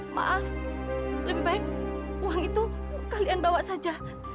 maaf lebih baik uang itu kalian bawa saja